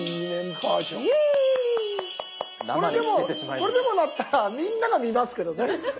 これでも鳴ったらみんなが見ますけどね。